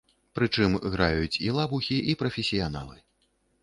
Прычым, граюць і лабухі і прафесіяналы.